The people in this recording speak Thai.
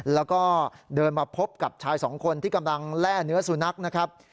แล้วก็เดินมาพบกับชายสองคนที่กำลังแล่เนื้อสุนัขนะครับ